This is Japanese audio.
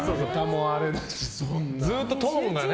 ずっとトーンがね。